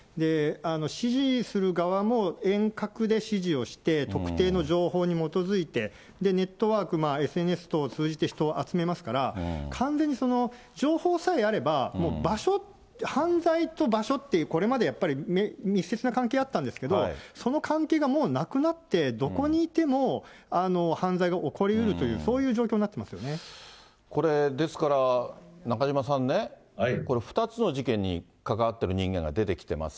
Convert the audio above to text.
指示する側も、遠隔で指示をして、特定の情報に基づいて、ネットワーク、ＳＮＳ等を通じて、人を集めますから、完全に情報さえあれば、もう場所、犯罪と場所って、これまでやっぱり密接な関係があったんですけど、その関係がもうなくなって、どこにいても、犯罪が起こりうるという、これ、ですから、中島さんね、これ、２つの事件に関わってる人間が出てきてます。